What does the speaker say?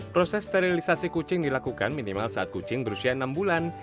proses sterilisasi kucing dilakukan minimal saat kucing berusia enam bulan